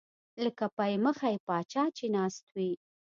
لکه پۍ مخی پاچا چې ناست وي